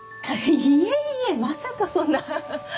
いえいえまさかそんなハハハ。